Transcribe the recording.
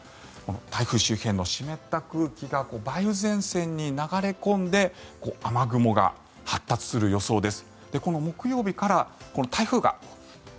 台風周辺の湿った空気が梅雨前線に流れ込んで雨雲が発達する予想です。